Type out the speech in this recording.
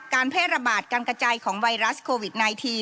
แพร่ระบาดการกระจายของไวรัสโควิด๑๙